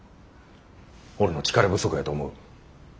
俺の力不足やと思う。